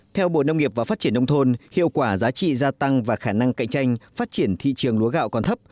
theo bộ nông nghiệp và phát triển nông thôn hiệu quả giá trị gia tăng và khả năng cạnh tranh phát triển thị trường lúa gạo còn thấp